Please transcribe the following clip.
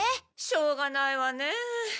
しょうがないわねえ。